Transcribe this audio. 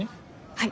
はい。